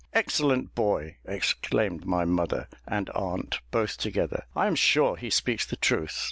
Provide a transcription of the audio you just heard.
"Excellent boy!" exclaimed my mother and aunt both together; "I am sure he speaks the truth."